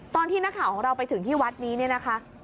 ตอนที่นักข่าวของเราไปถึงที่วัดนี้เนี่ยนะคะ